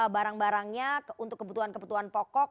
barang barangnya untuk kebutuhan kebutuhan pokok